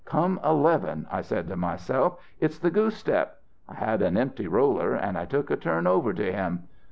"Come eleven!" I said to myself. "It's the goose step!" I had an empty roller, and I took a turn over to him.